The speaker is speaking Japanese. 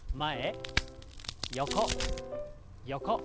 横横。